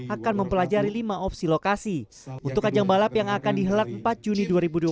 akan mempelajari lima opsi lokasi untuk ajang balap yang akan dihelak empat juni dua ribu dua puluh